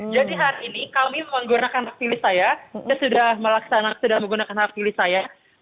jadi hari ini kami menggunakan hak pilih saya saya sudah melaksanakan sudah menggunakan hak pilih saya